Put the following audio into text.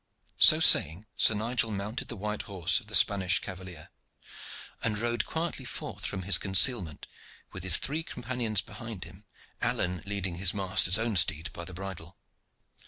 So saying, Sir Nigel mounted the white horse of the Spanish cavalier, and rode quietly forth from his concealment with his three companions behind him, Alleyne leading his master's own steed by the bridle.